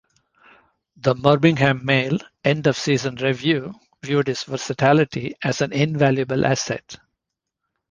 The "Birmingham Mail" end-of-season review viewed his versatility as "an invaluable asset".